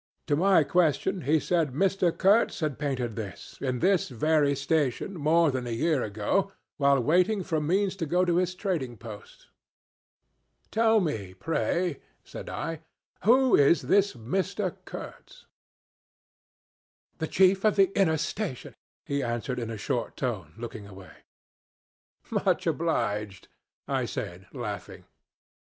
To my question he said Mr. Kurtz had painted this in this very station more than a year ago while waiting for means to go to his trading post. 'Tell me, pray,' said I, 'who is this Mr. Kurtz?' "'The chief of the Inner Station,' he answered in a short tone, looking away. 'Much obliged,' I said, laughing.